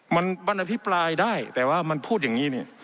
มันอภิปรายได้แต่ว่ามันพูดอย่างนี้